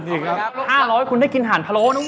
อันนี้๕๐๐ฮครับหล่อได้กินหารพาโลนะเว้ย